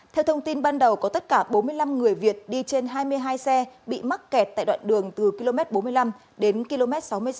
theo thông tin ban đầu có tất cả bốn mươi năm người việt đi trên hai mươi hai xe bị mắc kẹt tại đoạn đường từ km bốn mươi năm đến km sáu mươi sáu